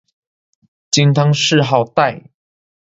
金汤谥号戴。